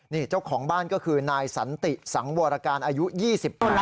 นี่เจ้าของบ้านก็คือนายสันติสังวรการอายุ๒๕